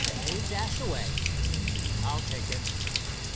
"Dave Dashaway." "I'll take it."